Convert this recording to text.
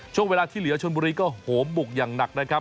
ช่วงเวลาที่เหลือชนบุรีก็โหมบุกอย่างหนักนะครับ